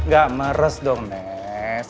gak meres dong mes